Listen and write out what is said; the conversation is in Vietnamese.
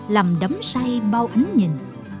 làm đấm say bao ánh nhìn